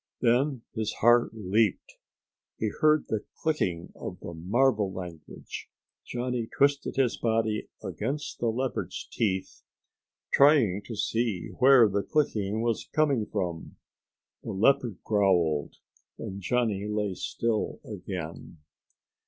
Then his heart leaped. He heard the clicking of the marva language. Johnny twisted his body against the leopard's teeth, trying to see where the clicking was coming from. The leopard growled, and Johnny lay still again.